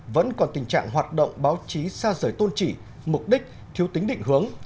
vẫn còn tình trạng hoạt động báo chí xa rời tôn trị mục đích thiếu tính định hướng